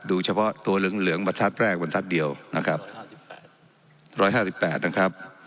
เฉพาะตัวเหลืองเหลืองประทัดแรกบรรทัศน์เดียวนะครับร้อยห้าสิบแปดนะครับ